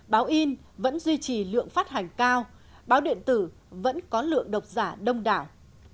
báo in vẫn duy trì lượng phát hành cao báo điện tử vẫn có lượng độc giả đông đảo